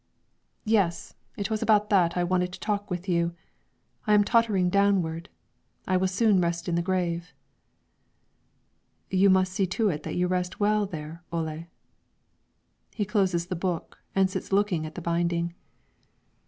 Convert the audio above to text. "Yes, it was about that I wanted to talk with you. I am tottering downward; I will soon rest in the grave." "You must see to it that you rest well there, Ole." He closes the book and sits looking at the binding.